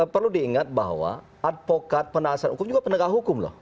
perlu diingat bahwa advokat penasihat hukum juga penegak hukum loh